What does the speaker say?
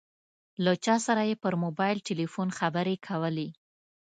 له چا سره یې پر موبایل ټیلیفون خبرې کولې.